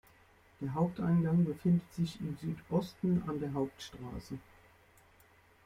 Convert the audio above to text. Der Haupteingang befindet sich im Südosten an der Hauptstraße.